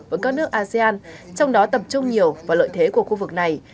với các nước asean trong đó tập trung nhiều vào lợi thế của khu vực này